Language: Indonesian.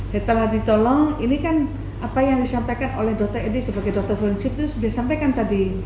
setelah ditolong ini kan apa yang disampaikan oleh dokter edi sebagai dokter forensik itu disampaikan tadi